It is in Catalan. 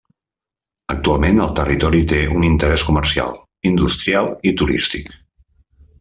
Actualment, el territori té un interès comercial, industrial i turístic.